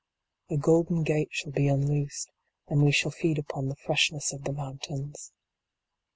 A golden gate shall be unloosed, and we shall feed upon the freshness of the mountains.